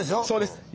そうです。